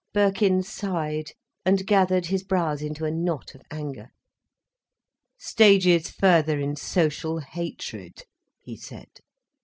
Birkin sighed, and gathered his brows into a knot of anger. "Stages further in social hatred," he said.